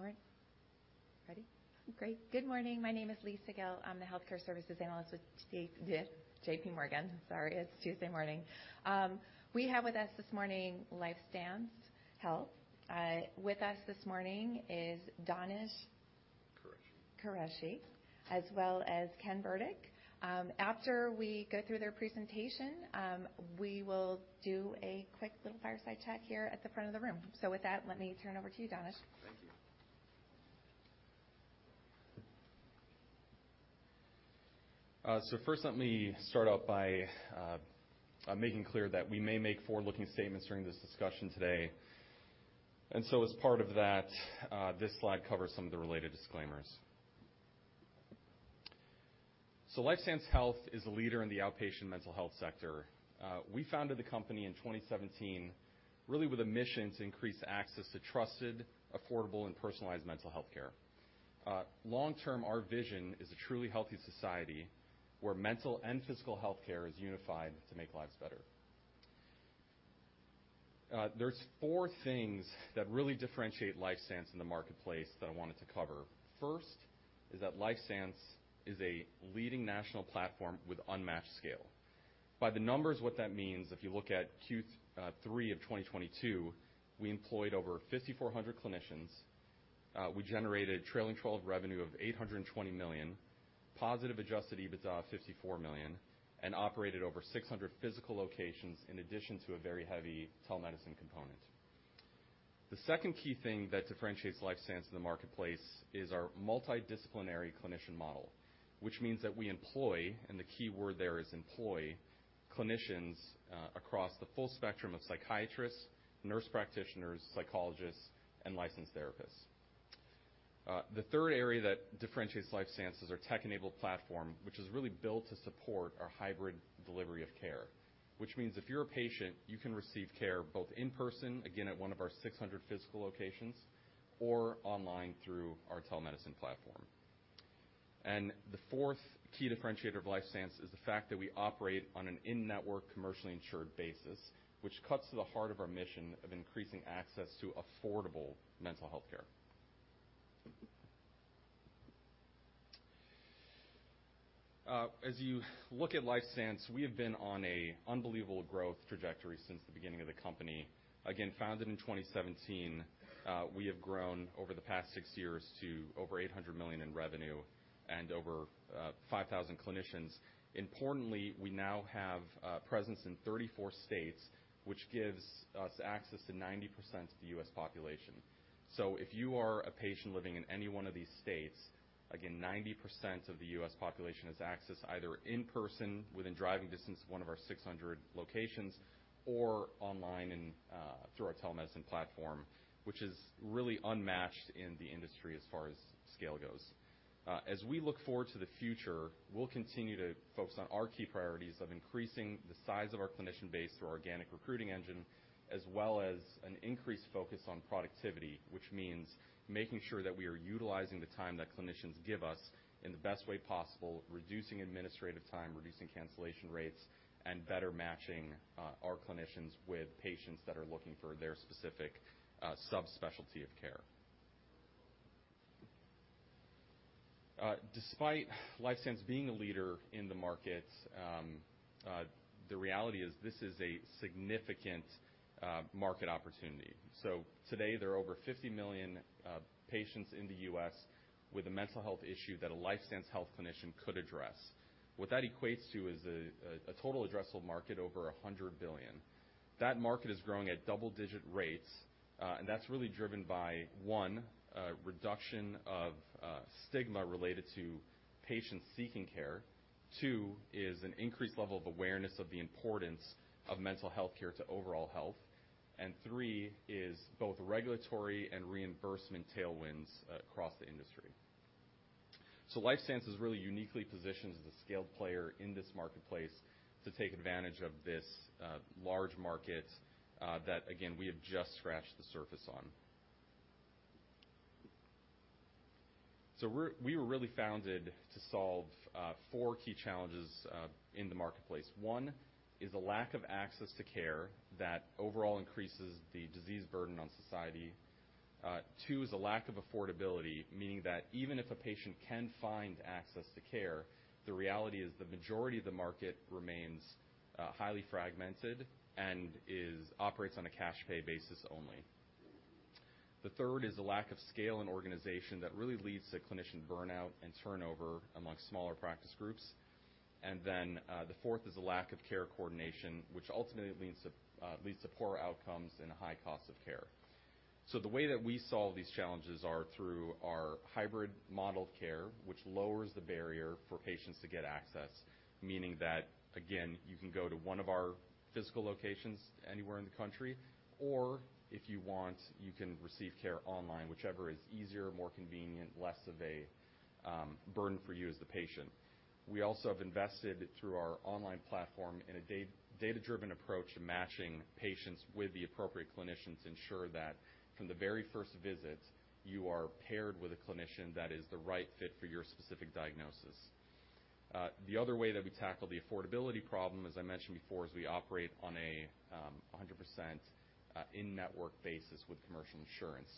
Morning. Ready? Great. Good morning. My name is Lisa Gill. I'm the Healthcare Services Analyst with JPMorgan. Sorry, it's Tuesday morning. We have with us this morning LifeStance Health. With us this morning is Danish Qureshi. Qureshi, as well as Ken Burdick. After we go through their presentation, we will do a quick little fireside chat here at the front of the room. With that, let me turn over to you, Danish. Thank you. First let me start out by making clear that we may make forward-looking statements during this discussion today. As part of that, this slide covers some of the related disclaimers. LifeStance Health is a leader in the outpatient mental health sector. We founded the company in 2017, really with a mission to increase access to trusted, affordable, and personalized mental health care. Long term, our vision is a truly healthy society where mental and physical health care is unified to make lives better. There's four things that really differentiate LifeStance in the marketplace that I wanted to cover. First is that LifeStance is a leading national platform with unmatched scale. By the numbers, what that means, if you look at Q3 of 2022, we employed over 5,400 clinicians. We generated trailing twelve revenue of $820 million, positive adjusted EBITDA of $54 million, and operated over 600 physical locations in addition to a very heavy telemedicine component. The second key thing that differentiates LifeStance in the marketplace is our multidisciplinary clinician model, which means that we employ, and the key word there is employ, clinicians, across the full spectrum of psychiatrists, nurse practitioners, psychologists, and licensed therapists. The third area that differentiates LifeStance is our tech-enabled platform, which is really built to support our hybrid delivery of care, which means if you're a patient, you can receive care both in person, again, at one of our 600 physical locations or online through our telemedicine platform. The fourth key differentiator of LifeStance is the fact that we operate on an in-network, commercially insured basis, which cuts to the heart of our mission of increasing access to affordable mental health care. As you look at LifeStance, we have been on a unbelievable growth trajectory since the beginning of the company. Again, founded in 2017, we have grown over the past six years to over $800 million in revenue and over 5,000 clinicians. Importantly, we now have presence in 34 states, which gives us access to 90% of the U.S. population. If you are a patient living in any one of these states, again, 90% of the U.S. population has access either in person within driving distance of one of our 600 locations or online in through our telemedicine platform, which is really unmatched in the industry as far as scale goes. As we look forward to the future, we'll continue to focus on our key priorities of increasing the size of our clinician base through organic recruiting engine, as well as an increased focus on productivity, which means making sure that we are utilizing the time that clinicians give us in the best way possible, reducing administrative time, reducing cancellation rates, and better matching our clinicians with patients that are looking for their specific subspecialty of care. Despite LifeStance being a leader in the market, the reality is this is a significant market opportunity. Today, there are over 50 million patients in the US with a mental health issue that a LifeStance Health clinician could address. What that equates to is a total addressable market over $100 billion. That market is growing at double-digit rates, and that's really driven by, one, a reduction of stigma related to patients seeking care. Two is an increased level of awareness of the importance of mental health care to overall health. Three is both regulatory and reimbursement tailwinds across the industry. LifeStance is really uniquely positioned as a scaled player in this marketplace to take advantage of this large market that again, we have just scratched the surface on. We were really founded to solve four key challenges in the marketplace. One is a lack of access to care that overall increases the disease burden on society. Two is a lack of affordability, meaning that even if a patient can find access to care, the reality is the majority of the market remains highly fragmented and is operates on a cash pay basis only. The third is a lack of scale and organization that really leads to clinician burnout and turnover amongst smaller practice groups. The fourth is a lack of care coordination, which ultimately leads to poorer outcomes and high cost of care. The way that we solve these challenges are through our hybrid model of care, which lowers the barrier for patients to get access, meaning that, again, you can go to one of our physical locations anywhere in the country, or if you want, you can receive care online, whichever is easier, more convenient, less of a burden for you as the patient. We also have invested through our online platform in a data-driven approach to matching patients with the appropriate clinicians to ensure that from the very first visit, you are paired with a clinician that is the right fit for your specific diagnosis. The other way that we tackle the affordability problem, as I mentioned before, is we operate on a 100% in-network basis with commercial insurance.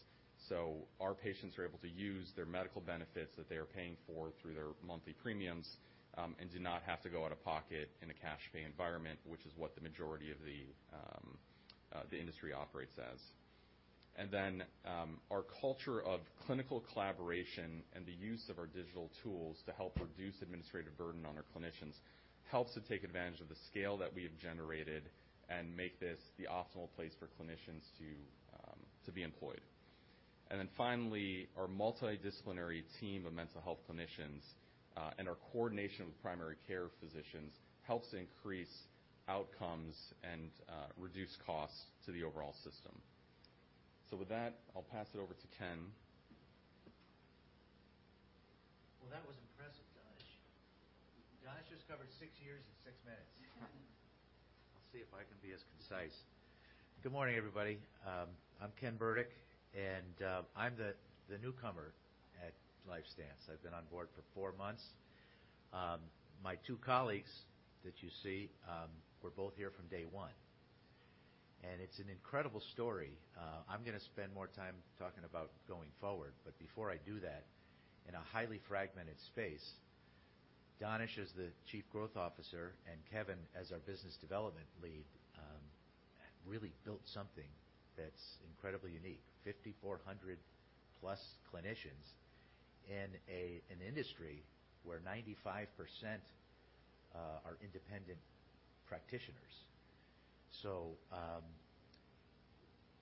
Our patients are able to use their medical benefits that they are paying for through their monthly premiums, and do not have to go out-of-pocket in a cash pay environment, which is what the majority of the industry operates as. Our culture of clinical collaboration and the use of our digital tools to help reduce administrative burden on our clinicians helps to take advantage of the scale that we have generated and make this the optimal place for clinicians to be employed. Finally, our multidisciplinary team of mental health clinicians and our coordination with primary care physicians helps increase outcomes and reduce costs to the overall system. With that, I'll pass it over to Ken. Well, that was impressive, Danish. Danish just covered six years in six minutes. I'll see if I can be as concise. Good morning, everybody. I'm Ken Burdick, I'm the newcomer at LifeStance. I've been on board for four months. My two colleagues that you see were both here from day one. It's an incredible story. I'm gonna spend more time talking about going forward. Before I do that, in a highly fragmented space, Danish, as the Chief Growth Officer, and Kevin, as our Business Development Lead, have really built something that's incredibly unique, 5,400+ clinicians in an industry where 95% are independent practitioners.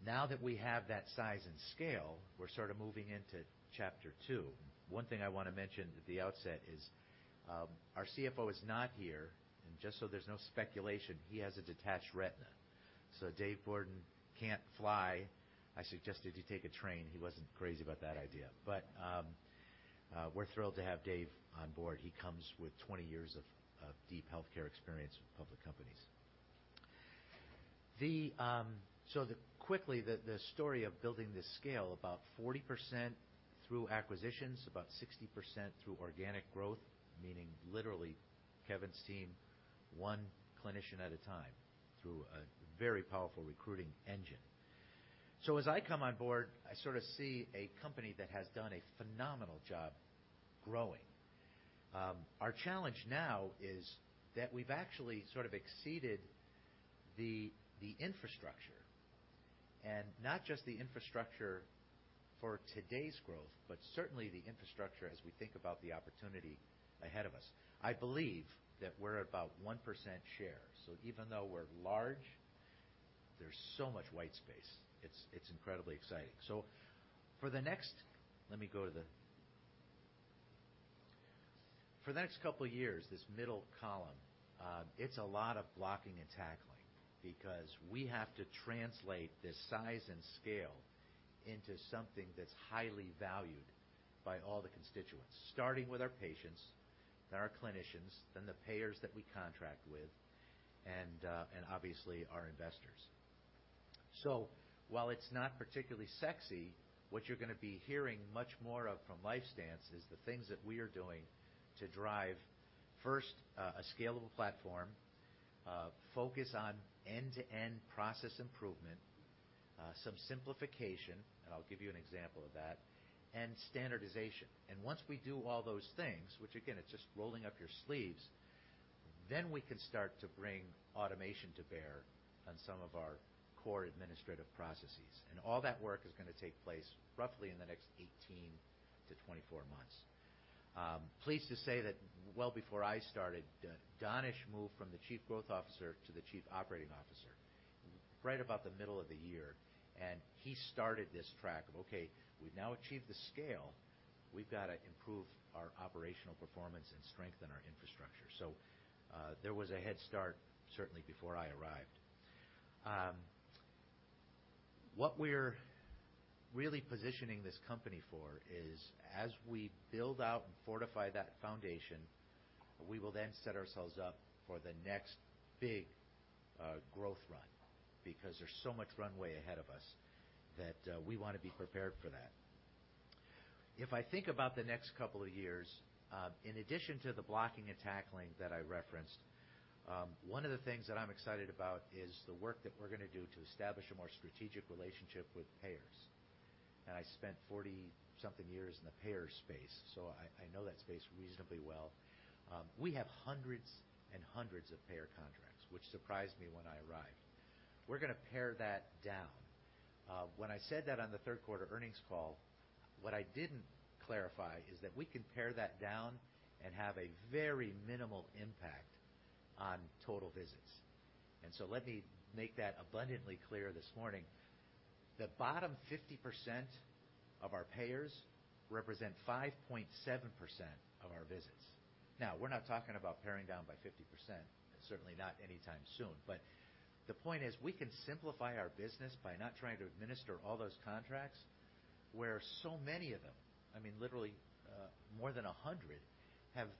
Now that we have that size and scale, we're sort of moving into chapter two. One thing I want to mention at the outset is, our CFO is not here, and just so there's no speculation, he has a detached retina. Dave Bourdon can't fly. I suggested he take a train. He wasn't crazy about that idea, but we're thrilled to have Dave on board. He comes with 20 years of deep healthcare experience with public companies. The story of building this scale, about 40% through acquisitions, about 60% through organic growth, meaning literally, Kevin's seen one clinician at a time through a very powerful recruiting engine. As I come on board, I sort of see a company that has done a phenomenal job growing. Our challenge now is that we've actually sort of exceeded the infrastructure, and not just the infrastructure for today's growth, but certainly the infrastructure as we think about the opportunity ahead of us. I believe that we're about 1% share, so even though we're large, there's so much white space. It's, it's incredibly exciting. For the next couple of years, this middle column, it's a lot of blocking and tackling because we have to translate this size and scale into something that's highly valued by all the constituents, starting with our patients, then our clinicians, then the payers that we contract with, and obviously, our investors. While it's not particularly sexy, what you're gonna be hearing much more of from LifeStance is the things that we are doing to drive, first, a scalable platform, focus on end-to-end process improvement, some simplification, and I'll give you an example of that, and standardization. Once we do all those things, which again is just rolling up your sleeves, then we can start to bring automation to bear on some of our core administrative processes. All that work is gonna take place roughly in the next 18-24 months. Pleased to say that well before I started, Danish moved from the Chief Growth Officer to the Chief Operating Officer right about the middle of the year, and he started this track of, okay, we've now achieved the scale. We've gotta improve our operational performance and strengthen our infrastructure. There was a head start, certainly before I arrived. What we're really positioning this company for is, as we build out and fortify that foundation, we will then set ourselves up for the next big growth run, because there's so much runway ahead of us that we wanna be prepared for that. If I think about the next couple of years, in addition to the blocking and tackling that I referenced, one of the things that I'm excited about is the work that we're gonna do to establish a more strategic relationship with payers. I spent 40 something years in the payer space, so I know that space reasonably well. We have hundreds and hundreds of payer contracts, which surprised me when I arrived. We're gonna pare that down. When I said that on the Q3 earnings call, what I didn't clarify is that we can pare that down and have a very minimal impact on total visits. Let me make that abundantly clear this morning. The bottom 50% of our payers represent 5.7% of our visits. We're not talking about paring down by 50%, and certainly not anytime soon, but the point is, we can simplify our business by not trying to administer all those contracts, where so many of them, I mean, literally, more than 100, have a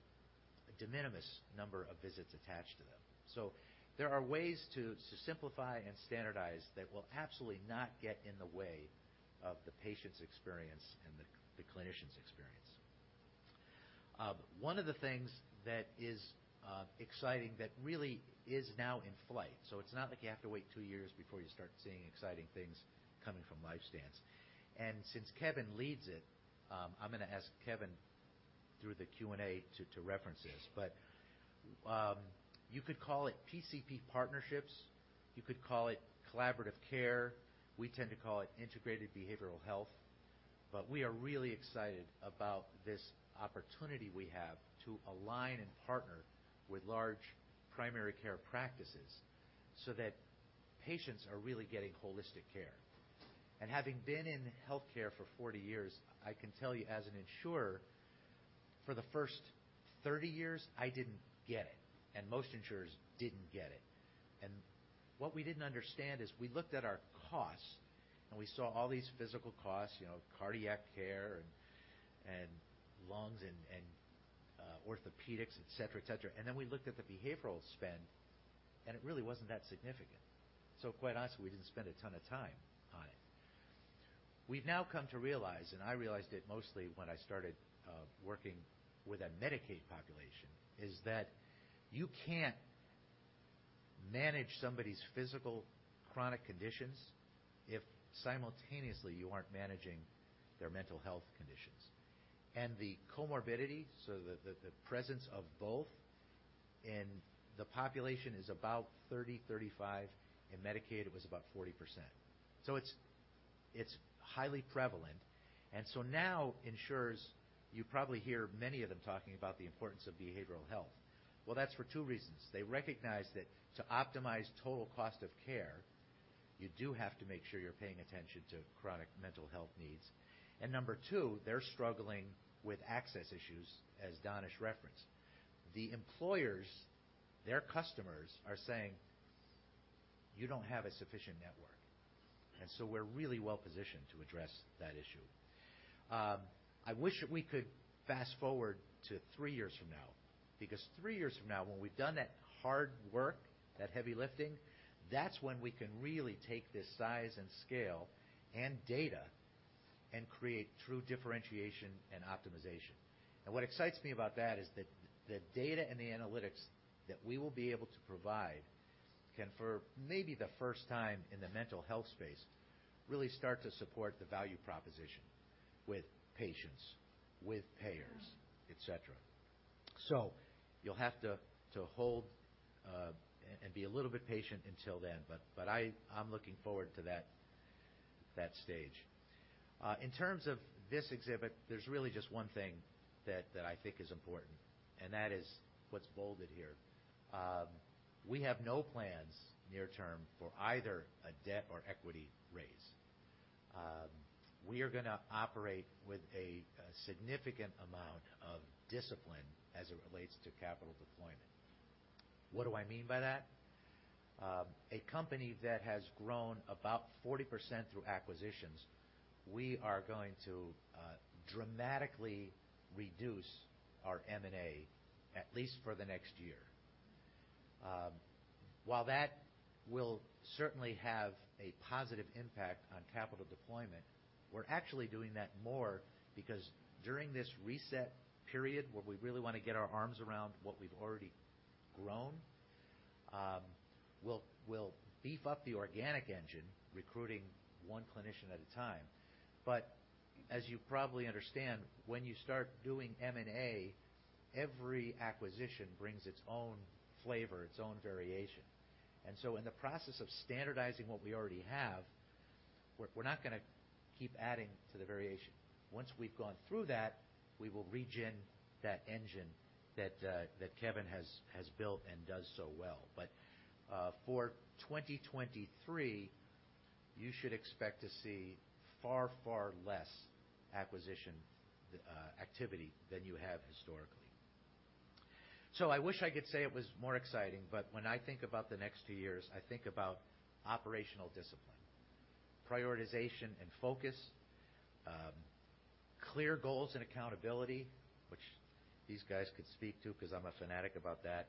de minimis number of visits attached to them. There are ways to simplify and standardize that will absolutely not get in the way of the patient's experience and the clinician's experience. One of the things that is exciting that really is now in flight, so it's not like you have to wait two years before you start seeing exciting things coming from LifeStance. Since Kevin leads it, I'm gonna ask Kevin through the Q&A to reference this. You could call it PCP partnerships. You could call it collaborative care. We tend to call it integrated behavioral health. We are really excited about this opportunity we have to align and partner with large primary care practices so that patients are really getting holistic care. Having been in healthcare for 40 years, I can tell you as an insurer, for the first 30 years, I didn't get it, and most insurers didn't get it. What we didn't understand is we looked at our costs, and we saw all these physical costs, you know, cardiac care and lungs and orthopedics, et cetera. Then we looked at the behavioral spend, and it really wasn't that significant. Quite honestly, we didn't spend a ton of time on it. We've now come to realize, and I realized it mostly when I started working with a Medicaid population, is that you can't manage somebody's physical chronic conditions if simultaneously you aren't managing their mental health conditions. The comorbidity, so the presence of both in the population is about 30-35. In Medicaid, it was about 40%. It's highly prevalent. Now insurers, you probably hear many of them talking about the importance of behavioral health. That's for two reasons. They recognize that to optimize total cost of care, you do have to make sure you're paying attention to chronic mental health needs. Number two, they're struggling with access issues, as Danish referenced. The employers, their customers are saying, "You don't have a sufficient network." We're really well-positioned to address that issue. I wish we could fast-forward to three years from now, because three years from now, when we've done that hard work, that heavy lifting, that's when we can really take this size and scale and data and create true differentiation and optimization. What excites me about that is that the data and the analytics that we will be able to provide can, for maybe the first time in the mental health space, really start to support the value proposition with patients, with payers, et cetera. You'll have to hold and be a little bit patient until then, but I'm looking forward to that stage. In terms of this exhibit, there's really just one thing that I think is important, and that is what's bolded here. We have no plans near term for either a debt or equity raise. We are gonna operate with a significant amount of discipline as it relates to capital deployment. What do I mean by that? A company that has grown about 40% through acquisitions, we are going to dramatically reduce our M&A at least for the next year. While that will certainly have a positive impact on capital deployment, we're actually doing that more because during this reset period where we really wanna get our arms around what we've already grown, we'll beef up the organic engine recruiting one clinician at a time. As you probably understand, when you start doing M&A, every acquisition brings its own flavor, its own variation. In the process of standardizing what we already have, we're not gonna keep adding to the variation. Once we've gone through that, we will regen that engine that Kevin has built and does so well. For 2023, you should expect to see far, far less acquisition activity than you have historically. I wish I could say it was more exciting, but when I think about the next two years, I think about operational discipline, prioritization and focus, clear goals and accountability, which these guys could speak to because I'm a fanatic about that.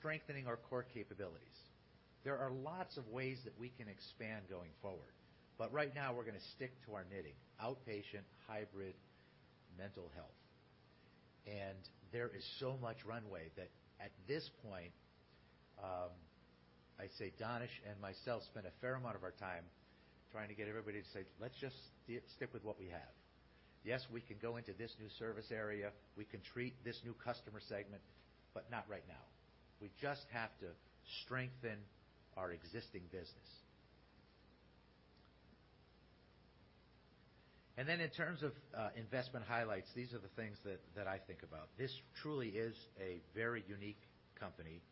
Strengthening our core capabilities. There are lots of ways that we can expand going forward, but right now we're gonna stick to our knitting: outpatient, hybrid, mental health. There is so much runway that at this point, I say Danish and myself spend a fair amount of our time trying to get everybody to say, "Let's just stick with what we have." Yes, we can go into this new service area. We can treat this new customer segment, but not right now. We just have to strengthen our existing business. In terms of investment highlights, these are the things that I think about. This truly is a very unique company.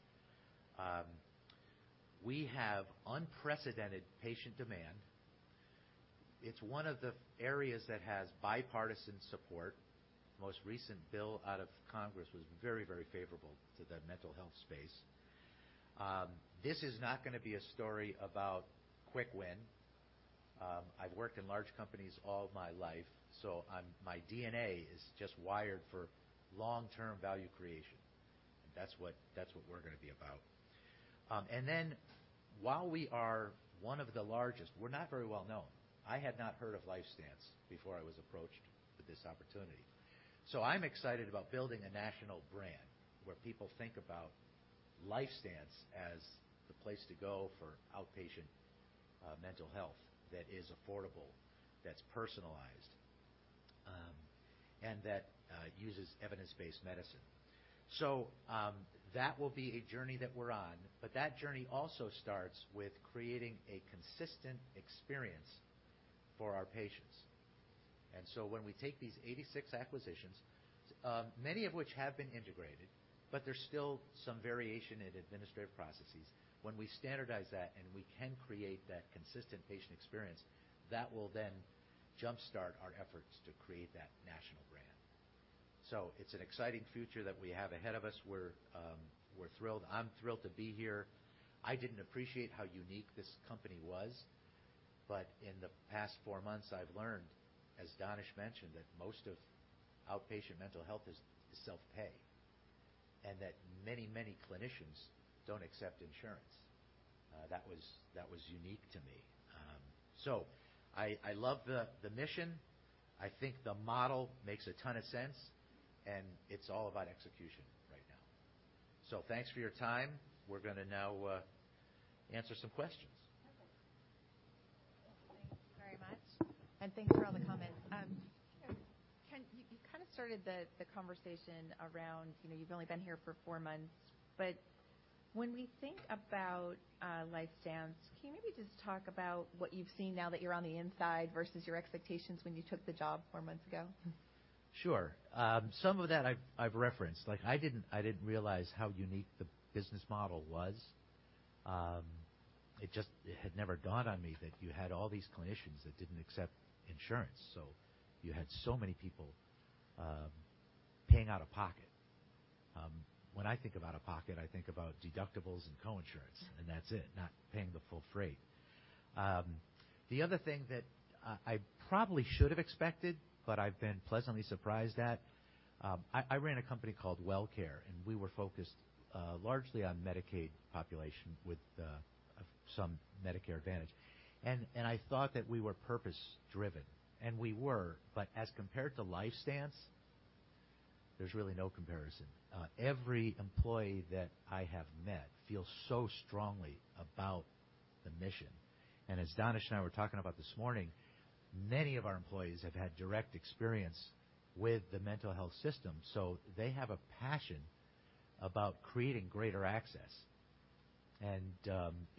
We have unprecedented patient demand. It's one of the areas that has bipartisan support. Most recent bill out of Congress was very favorable to the mental health space. This is not gonna be a story about quick win. I've worked in large companies all my life, my DNA is just wired for long-term value creation. That's what we're gonna be about. While we are one of the largest, we're not very well known. I had not heard of LifeStance before I was approached with this opportunity. I'm excited about building a national brand where people think about LifeStance as the place to go for outpatient mental health that is affordable, that's personalized, and that uses evidence-based medicine. That will be a journey that we're on, but that journey also starts with creating a consistent experience for our patients. When we take these 86 acquisitions, many of which have been integrated, but there's still some variation in administrative processes. When we standardize that and we can create that consistent patient experience, that will then jumpstart our efforts to create that national brand. It's an exciting future that we have ahead of us. We're thrilled. I'm thrilled to be here. I didn't appreciate how unique this company was, but in the past four months, I've learned, as Danish mentioned, that most of outpatient mental health is self-pay, and that many clinicians don't accept insurance. That was unique to me. I love the mission. I think the model makes a ton of sense, and it's all about execution right now. Thanks for your time. We're gonna now answer some questions. Okay. Thank you very much, and thanks for all the comments. Ken, you kind of started the conversation around, you know, you've only been here for four months, but when we think about LifeStance, can you maybe just talk about what you've seen now that you're on the inside versus your expectations when you took the job four months ago? Sure. Some of that I've referenced. Like I didn't realize how unique the business model was. It just, it had never dawned on me that you had all these clinicians that didn't accept insurance, so you had so many people paying out of pocket. When I think out of pocket, I think about deductibles and co-insurance, and that's it, not paying the full freight. The other thing that I probably should have expected, but I've been pleasantly surprised at, I ran a company called WellCare, and we were focused largely on Medicaid population with some Medicare Advantage. I thought that we were purpose driven, and we were, but as compared to LifeStance, there's really no comparison. Every employee that I have met feels so strongly about the mission. As Danish and I were talking about this morning, many of our employees have had direct experience with the mental health system, so they have a passion about creating greater access.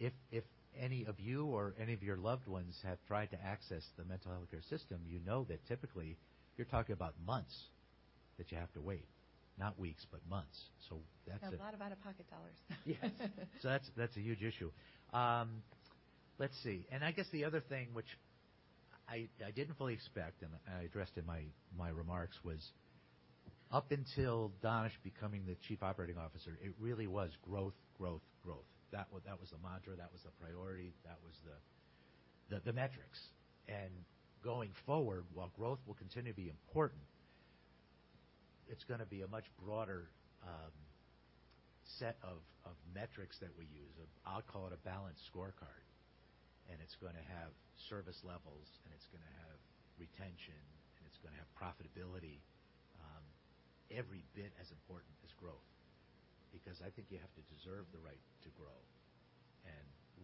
If any of you or any of your loved ones have tried to access the mental healthcare system, you know that typically you're talking about months that you have to wait, not weeks, but months. A lot of out-of-pocket dollars. Yes. That's, that's a huge issue. Let's see. I guess the other thing which I didn't fully expect, and I addressed in my remarks, was up until Danish becoming the Chief Operating Officer, it really was growth, growth. That was the mantra, that was the priority, that was the metrics. Going forward, while growth will continue to be important, it's gonna be a much broader set of metrics that we use. I'll call it a balanced scorecard, and it's gonna have service levels, and it's gonna have retention, and it's gonna have profitability, every bit as important as growth because I think you have to deserve the right to grow.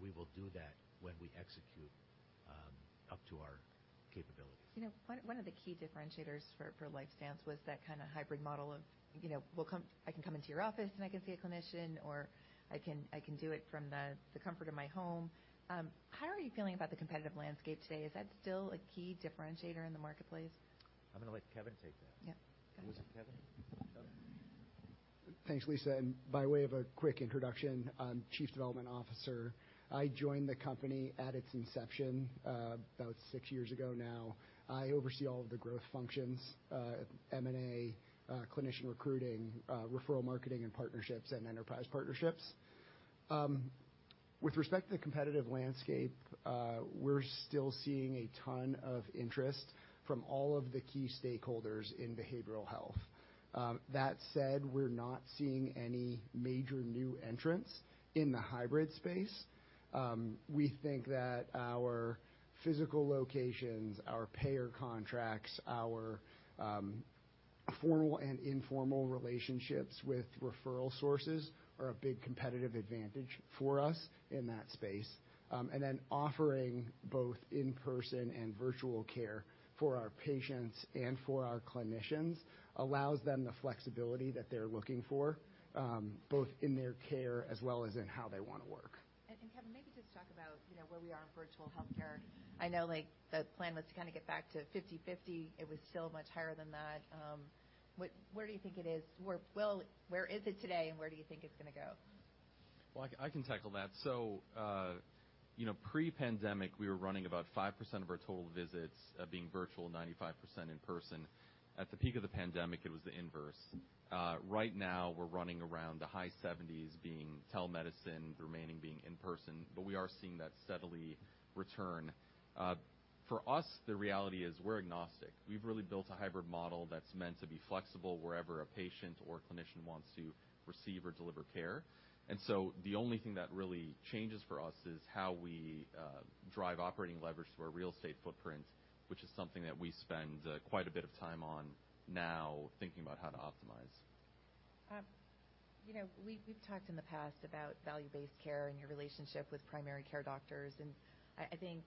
We will do that when we execute up to our capabilities. You know, one of the key differentiators for LifeStance was that kinda hybrid model of, you know, I can come into your office, and I can see a clinician, or I can do it from the comfort of my home. How are you feeling about the competitive landscape today? Is that still a key differentiator in the marketplace? I'm gonna let Kevin take that. Yeah. Got it. Was it Kevin? Okay. Thanks, Lisa. By way of a quick introduction, I'm Chief Development Officer. I joined the company at its inception, about six years ago now. I oversee all of the growth functions, M&A, clinician recruiting, referral marketing and partnerships, and enterprise partnerships. With respect to the competitive landscape, we're still seeing a ton of interest from all of the key stakeholders in behavioral health. That said, we're not seeing any major new entrants in the hybrid space. We think that our physical locations, our payer contracts, our formal and informal relationships with referral sources are a big competitive advantage for us in that space. Then offering both in-person and virtual care for our patients and for our clinicians allows them the flexibility that they're looking for, both in their care as well as in how they wanna work. Kevin, maybe just talk about, you know, where we are on virtual healthcare. I know, like, the plan was to kinda get back to 50/50. It was still much higher than that. Where do you think it is? Well, where is it today, and where do you think it's gonna go? I can tackle that. you know, pre-pandemic, we were running about 5% of our total visits, being virtual, 95% in person. At the peak of the pandemic, it was the inverse. Right now we're running around the high 70s being telemedicine, the remaining being in person, but we are seeing that steadily return. For us, the reality is we're agnostic. We've really built a hybrid model that's meant to be flexible wherever a patient or a clinician wants to receive or deliver care. The only thing that really changes for us is how we drive operating leverage through our real estate footprint, which is something that we spend quite a bit of time on now thinking about how to optimize. you know, we've talked in the past about value-based care and your relationship with primary care doctors. I think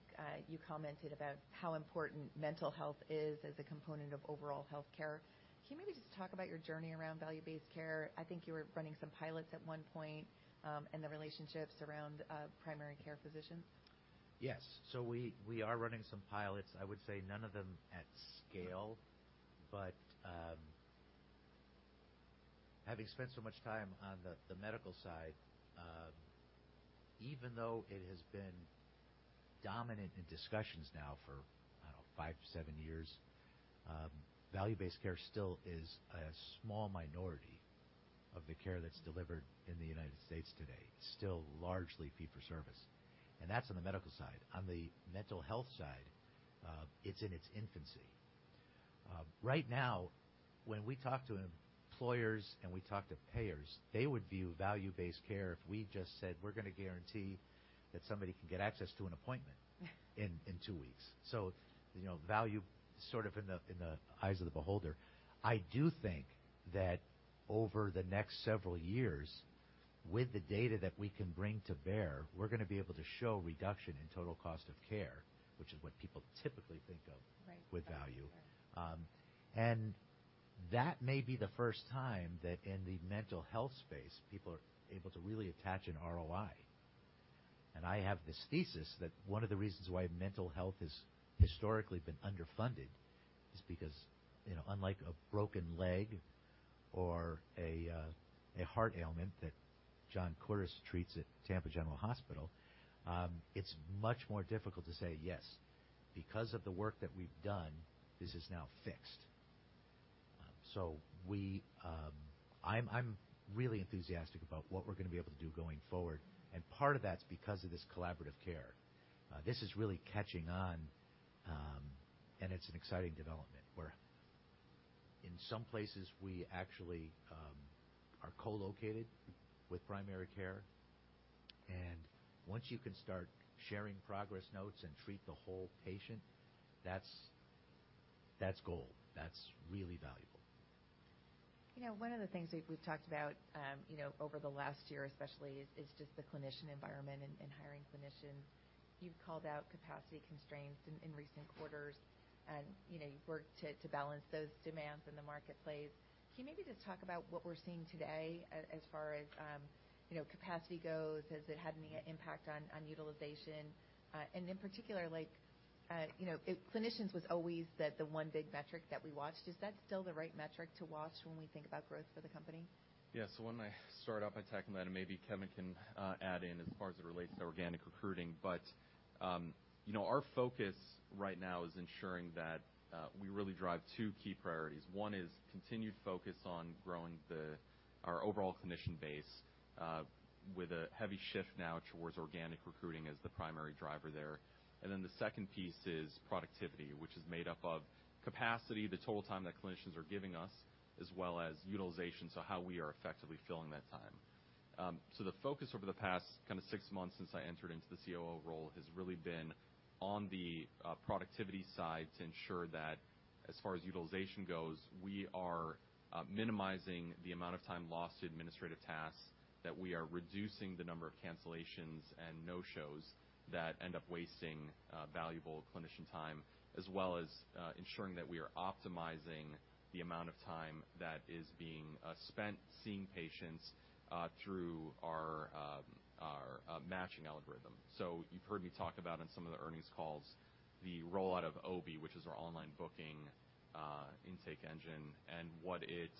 you commented about how important mental health is as a component of overall healthcare. Can you maybe just talk about your journey around value-based care? I think you were running some pilots at one point, and the relationships around primary care physicians. Yes. We are running some pilots, I would say none of them at scale. Having spent so much time on the medical side, even though it has been dominant in discussions now for, I don't know, five to seven years, value-based care still is a small minority of the care that's delivered in the United States today. Still largely fee for service, and that's on the medical side. On the mental health side, it's in its infancy. Right now, when we talk to employers and we talk to payers, they would view value-based care if we just said, we're gonna guarantee that somebody can get access to an appointment in two weeks. You know, value sort of in the eyes of the beholder. I do think that over the next several years, with the data that we can bring to bear, we're gonna be able to show reduction in total cost of care, which is what people typically think of. Right with value. That may be the first time that in the mental health space, people are able to really attach an ROI. I have this thesis that one of the reasons why mental health has historically been underfunded is because, you know, unlike a broken leg or a heart ailment that John Corso treats at Tampa General Hospital, it's much more difficult to say, "Yes, because of the work that we've done, this is now fixed." I'm really enthusiastic about what we're gonna be able to do going forward, and part of that's because of this collaborative care. This is really catching on, and it's an exciting development where in some places we actually are co-located with primary care. Once you can start sharing progress notes and treat the whole patient, that's gold. That's really valuable. You know, one of the things that we've talked about, you know, over the last year especially, is just the clinician environment and hiring clinicians. You've called out capacity constraints in recent quarters. You know, you've worked to balance those demands in the marketplace. Can you maybe just talk about what we're seeing today as far as, you know, capacity goes? Has it had any impact on utilization? In particular, like, you know, if clinicians was always the one big metric that we watched, is that still the right metric to watch when we think about growth for the company? Yeah. Why don't I start off by tackling that and maybe Kevin can add in as far as it relates to organic recruiting. You know, our focus right now is ensuring that we really drive two key priorities. One is continued focus on growing our overall clinician base with a heavy shift now towards organic recruiting as the primary driver there. The second piece is productivity, which is made up of capacity, the total time that clinicians are giving us, as well as utilization, so how we are effectively filling that time. The focus over the past kinda six months since I entered into the COO role has really been on the productivity side to ensure that as far as utilization goes, we are minimizing the amount of time lost to administrative tasks, that we are reducing the number of cancellations and no-shows that end up wasting valuable clinician time, as well as ensuring that we are optimizing the amount of time that is being spent seeing patients through our matching algorithm. You've heard me talk about in some of the earnings calls, the rollout of OBI, which is our online booking intake engine. What it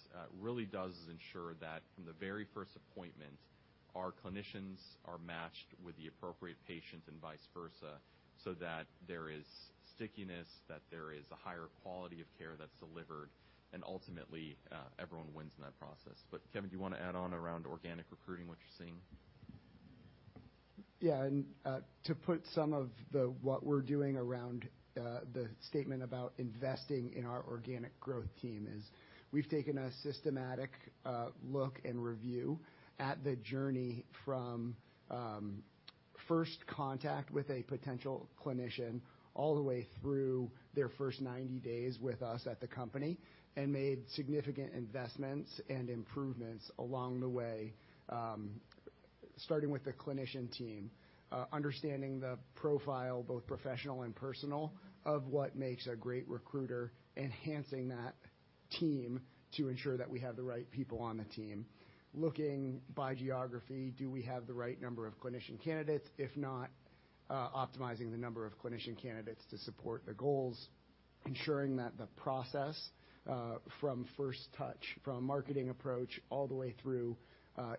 really does is ensure that from the very first appointment, our clinicians are matched with the appropriate patients and vice versa, so that there is stickiness, that there is a higher quality of care that's delivered and ultimately, everyone wins in that process. Kevin, do you wanna add on around organic recruiting, what you're seeing? To put what we're doing around the statement about investing in our organic growth team is we've taken a systematic look and review at the journey from first contact with a potential clinician all the way through their first 90 days with us at the company and made significant investments and improvements along the way, starting with the clinician team. Understanding the profile, both professional and personal of what makes a great recruiter, enhancing that team to ensure that we have the right people on the team. Looking by geography, do we have the right number of clinician candidates? If not, optimizing the number of clinician candidates to support the goals. Ensuring that the process, from first touch, from a marketing approach all the way through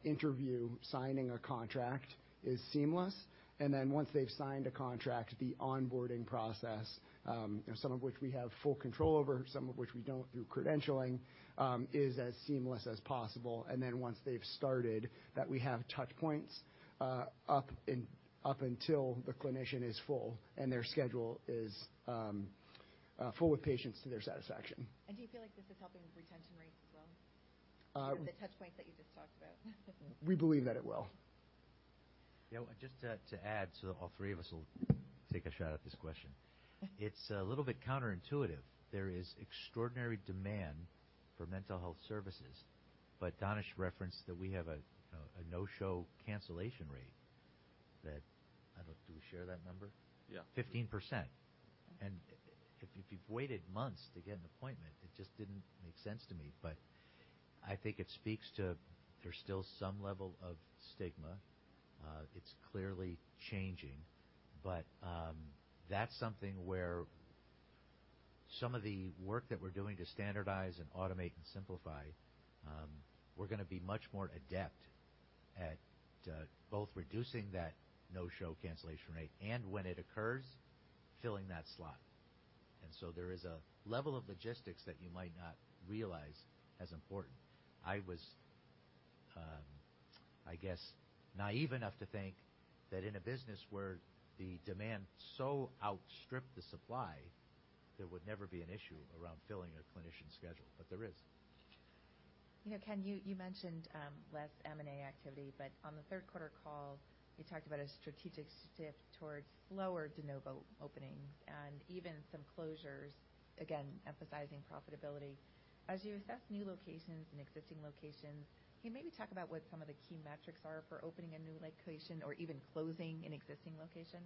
interview, signing a contract is seamless. Once they've signed a contract, the onboarding process, some of which we have full control over, some of which we don't through credentialing, is as seamless as possible. Once they've started, that we have touch points up until the clinician is full and their schedule is full with patients to their satisfaction. Do you feel like this is helping retention rates as well? Uh- The touch points that you're We believe that it will. Yeah. Just to add, all three of us will take a shot at this question. It's a little bit counterintuitive. There is extraordinary demand for mental health services, Danish referenced that we have a no-show cancellation rate that... I don't... Do we share that number? Yeah. 15%. If you've waited months to get an appointment, it just didn't make sense to me. I think it speaks to there's still some level of stigma. It's clearly changing, but that's something where some of the work that we're doing to standardize and automate and simplify, we're gonna be much more adept at both reducing that no-show cancellation rate and when it occurs, filling that slot. There is a level of logistics that you might not realize as important. I was, I guess, naive enough to think that in a business where the demand so outstripped the supply, there would never be an issue around filling a clinician schedule. There is. You know, Ken, you mentioned less M&A activity, but on the Q3 call, you talked about a strategic shift towards slower de novo openings and even some closures, again, emphasizing profitability. As you assess new locations and existing locations, can you maybe talk about what some of the key metrics are for opening a new location or even closing an existing location?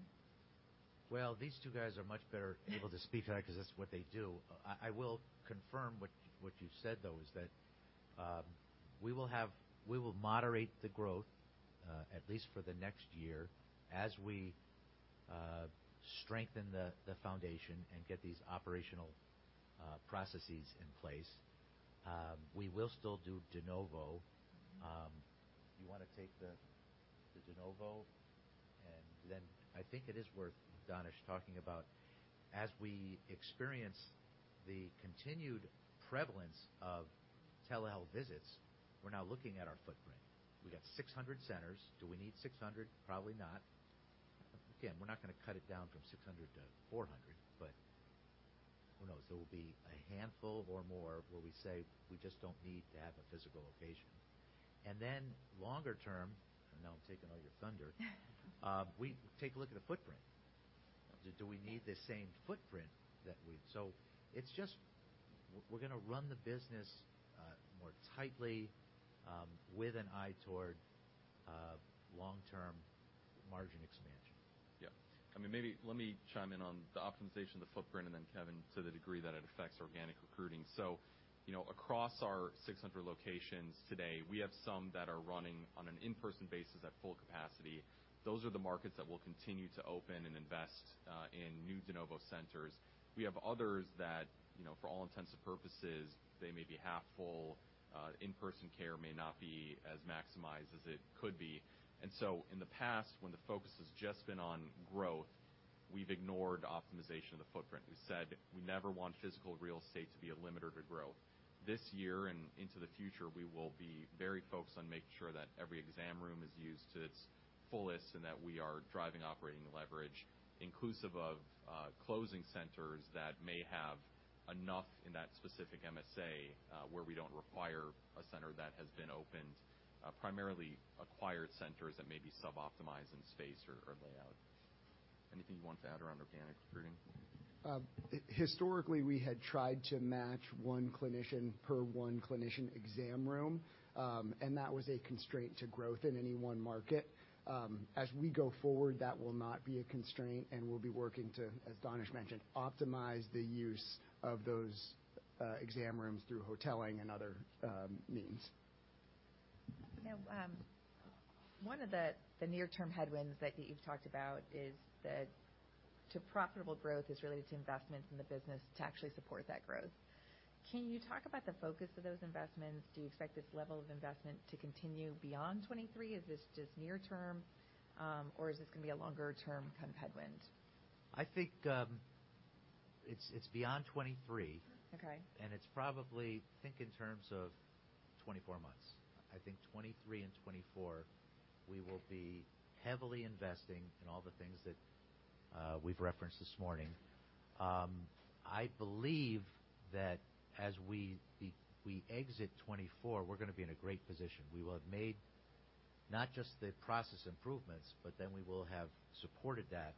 Well, these two guys are much better able to speak to that because that's what they do. I will confirm what you said, though, is that we will moderate the growth, at least for the next year as we strengthen the foundation and get these operational processes in place. We will still do de novo. Do you wanna take the de novo? I think it is worth Danish talking about as we experience the continued prevalence of telehealth visits, we're now looking at our footprint. We got 600 centers. Do we need 600? Probably not. Again, we're not gonna cut it down from 600 to 400, but who knows? There will be a handful or more where we say we just don't need to have a physical location. Longer term, I know I'm taking all your thunder, we take a look at the footprint. Do we need the same footprint that we'd... It's just we're gonna run the business more tightly with an eye toward long-term margin expansion. I mean, maybe let me chime in on the optimization of the footprint, Kevin, to the degree that it affects organic recruiting. You know, across our 600 locations today, we have some that are running on an in-person basis at full capacity. Those are the markets that we'll continue to open and invest in new de novo centers. We have others that, you know, for all intents and purposes, they may be half full, in-person care may not be as maximized as it could be. In the past, when the focus has just been on growth, we've ignored optimization of the footprint. We said we never want physical real estate to be a limiter to growth. This year into the future, we will be very focused on making sure that every exam room is used to its fullest and that we are driving operating leverage inclusive of closing centers that may have enough in that specific MSA, where we don't require a center that has been opened, primarily acquired centers that may be sub-optimized in space or layout. Anything you want to add around organic recruiting? Historically, we had tried to match one clinician per one clinician exam room, and that was a constraint to growth in any one market. As we go forward, that will not be a constraint, and we'll be working to, as Danish mentioned, optimize the use of those, exam rooms through hoteling and other means. One of the near-term headwinds that you've talked about is that to profitable growth is related to investments in the business to actually support that growth. Can you talk about the focus of those investments? Do you expect this level of investment to continue beyond 23? Is this just near term, or is this gonna be a longer-term kind of headwind? I think, it's beyond 2023. Okay. It's probably, think in terms of 24 months. I think 2023 and 2024, we will be heavily investing in all the things that we've referenced this morning. I believe that as we exit 2024, we're gonna be in a great position. We will have made not just the process improvements, but then we will have supported that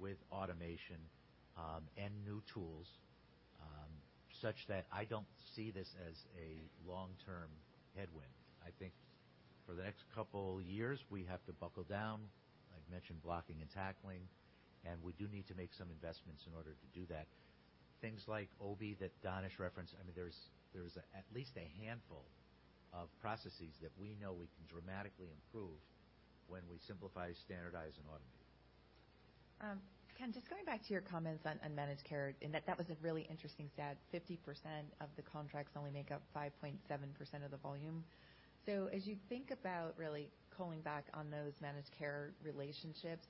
with automation and new tools, such that I don't see this as a long-term headwind. I think for the next couple years, we have to buckle down, like mention blocking and tackling, and we do need to make some investments in order to do that. Things like OBI that Danish referenced, I mean, there's at least a handful of processes that we know we can dramatically improve when we simplify, standardize, and automate. Ken, just going back to your comments on managed care, that was a really interesting stat. 50% of the contracts only make up 5.7% of the volume. As you think about really calling back on those managed care relationships,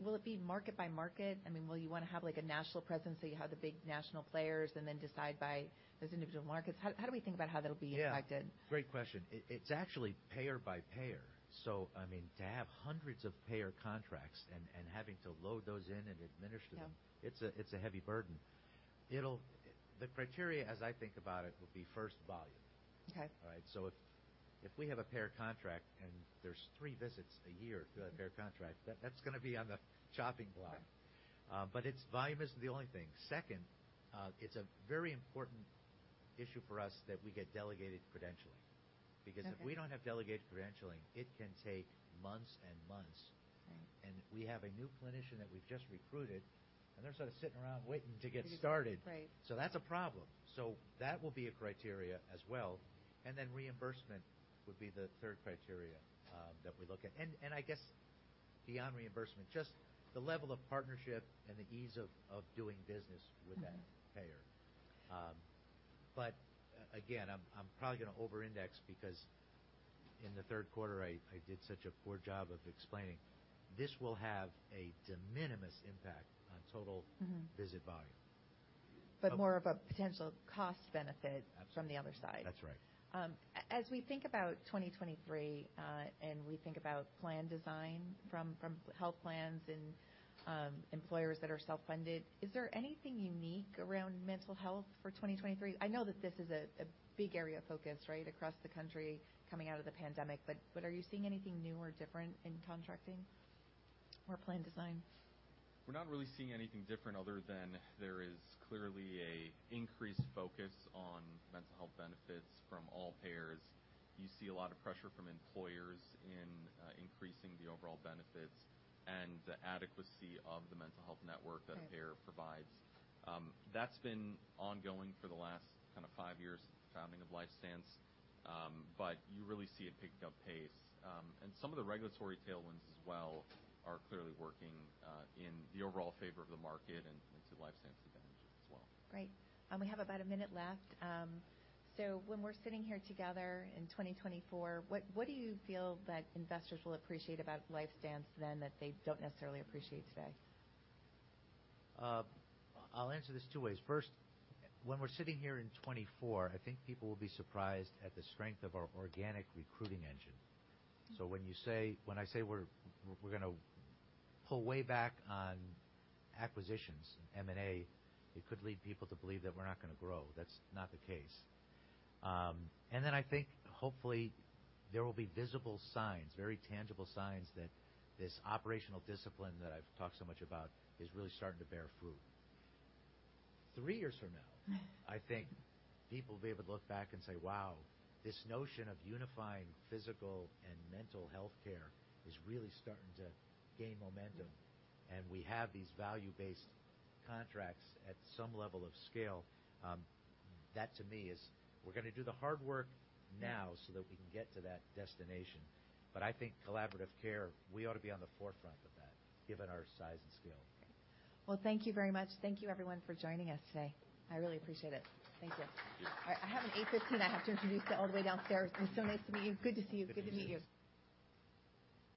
will it be market by market? I mean, will you wanna have, like, a national presence, so you have the big national players and then decide by those individual markets? How do we think about how that'll be affected? Yeah. Great question. It, it's actually payer by payer. I mean, to have hundreds of payer contracts and having to load those in and administer them... Yeah. it's a heavy burden. The criteria, as I think about it, would be first volume. Okay. All right? If we have a payer contract and there's three visits a year through that payer contract, that's gonna be on the chopping block. Okay. Volume isn't the only thing. Second, it's a very important issue for us that we get delegated credentialing. Okay. If we don't have delegated credentialing, it can take months and months. Right. If we have a new clinician that we've just recruited, and they're sort of sitting around waiting to get started. Right. That's a problem. That will be a criteria as well. Then reimbursement would be the third criteria, that we look at. I guess beyond reimbursement, just the level of partnership and the ease of doing business with that payer. Again, I'm probably gonna over-index because in the Q3, I did such a poor job of explaining. This will have a de minimis impact on total- Mm-hmm. visit volume. More of a potential cost benefit. Absolutely. from the other side. That's right. As we think about 2023, we think about plan design from health plans and employers that are self-funded, is there anything unique around mental health for 2023? I know that this is a big area of focus, right? Across the country coming out of the pandemic, but are you seeing anything new or different in contracting or plan design? We're not really seeing anything different other than there is clearly a increased focus on mental health benefits from all payers. You see a lot of pressure from employers in increasing the overall benefits and the adequacy of the mental health network- Right. that a payer provides. That's been ongoing for the last kind of five years, the founding of LifeStance. You really see it picking up pace. Some of the regulatory tailwinds as well are clearly working in the overall favor of the market and to LifeStance's advantage as well. Great. We have about a minute left. When we're sitting here together in 2024, what do you feel that investors will appreciate about LifeStance then that they don't necessarily appreciate today? I'll answer this two ways. When we're sitting here in 2024, I think people will be surprised at the strength of our organic recruiting engine. Mm-hmm. When I say we're gonna pull way back on acquisitions and M&A, it could lead people to believe that we're not gonna grow. That's not the case. I think, hopefully, there will be visible signs, very tangible signs, that this operational discipline that I've talked so much about is really starting to bear fruit. Three years from now- Right. I think people will be able to look back and say, "Wow, this notion of unifying physical and mental healthcare is really starting to gain momentum. Mm-hmm. We have these value-based contracts at some level of scale. That to me is we're gonna do the hard work now. Right. so that we can get to that destination. I think collaborative care, we ought to be on the forefront of that, given our size and scale. Well, thank you very much. Thank you everyone for joining us today. I really appreciate it. Thank you. Thank you. I have an 8:15 I have to introduce to all the way downstairs. It was so nice to meet you. Good to see you. Good to meet you.